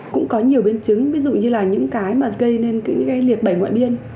cũng có nhiều biến chứng ví dụ như là những cái mà gây nên cái liệt bẩy ngoại biên